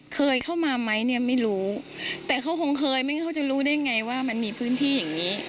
เคยเข้ามาไหมเนี่ยไม่รู้แต่เขาคงเคยไม่รู้เขาจะรู้ได้ไงว่ามันมีพื้นที่อย่างนี้